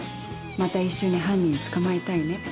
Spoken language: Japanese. また一緒に犯人捕まえたいね。